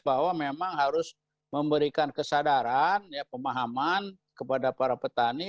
bahwa memang harus memberikan kesadaran pemahaman kepada para petani